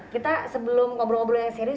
kita sebelum ngobrol ngobrol yang serius